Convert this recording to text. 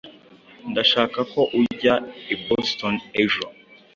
Ndashaka ko ujya i Boston ejo.